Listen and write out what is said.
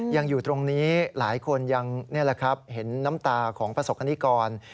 ยังอยู่ตรงนี้หลายคนยังเห็นน้ำตาของประสบคณิกร